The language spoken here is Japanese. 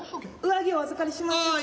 上着お預かりします。